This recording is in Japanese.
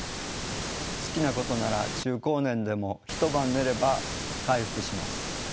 好きなことなら中高年でも一晩寝れば回復します。